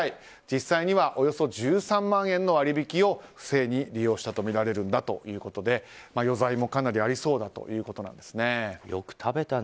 実際にはおよそ１３万円の割引を不正に利用したとみられるんだということで余罪もかなりありそうということです。